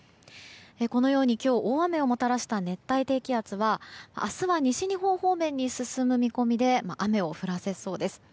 このように今日大雨をもたらした熱帯低気圧は明日は西日本方面に進む見込みで雨を降らせそうです。